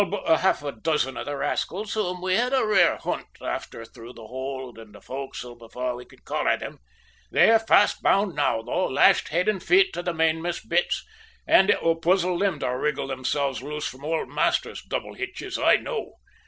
"All but half a dozen of the rascals, whom we had a rare hunt after through the hold and fo'c's'le before we could collar them. They are fast bound now, though, lashed head and feet to the mainmast bitts; and it will puzzle them to wriggle themselves loose from old Masters' double hitches, I know.